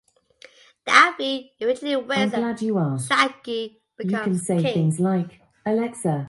Daphne eventually wins and Shaggy becomes king.